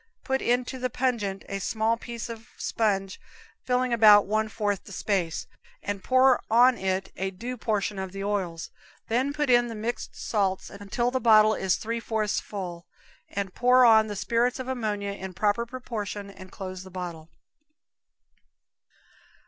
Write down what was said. Put into the pungent a small piece of sponge filling about one fourth the space, and pour on it a due proportion of the oils, then put in the mixed salts until the bottle is three fourths full, and pour on the spirits of ammonia in proper proportion and close the bottle.